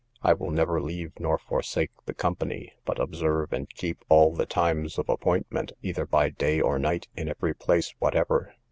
I will never leave nor forsake the company, but observe and keep all the times of appointment, either by day or night in every place whatever.